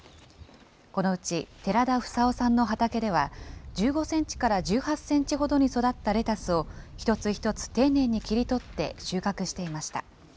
このうち寺田房雄さんの畑では１５センチから１８センチほどに育ったレタスを、一つ一つ丁寧に切り取って収穫していました。